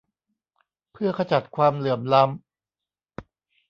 เพื่อขจัดความเหลื่อมล้ำ